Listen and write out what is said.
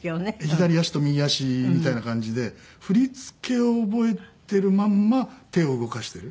左足と右足みたいな感じで振り付けを覚えてるまんま手を動かしてる。